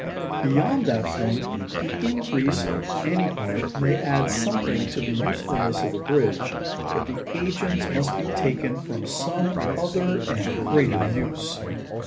Beyond that point, the increase of any part may add something to the usefulness of the bridge, but the agents must be taken from some other and greater use.